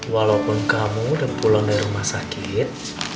walaupun kamu udah pulang dari rumah sakit